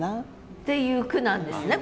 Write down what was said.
っていう句なんですね